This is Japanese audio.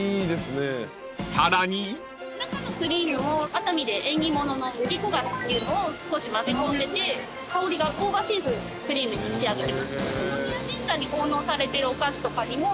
［さらに］中のクリームを熱海で縁起物の麦こがしっていうのを少し混ぜ込んでて香りが香ばしいクリームに仕上げています。